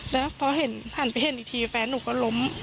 แล้วพอเห็นหันไปเห็นอีกทีแฟนหนูก็ล้ม